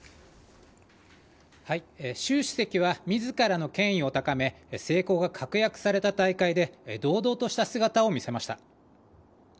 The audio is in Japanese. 習主席は自らの権威を高め成功が確約された大会で堂々とした姿を見せました。